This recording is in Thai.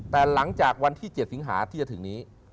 แต่หลังจากวันที่๗สิงหาที่จะถึงนี้